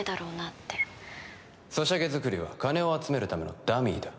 ってソシャゲ作りは金を集めるためのダミーだ